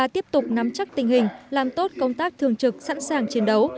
tiếp tục nắm chắc tình hình làm tốt công tác thường trực sẵn sàng chiến đấu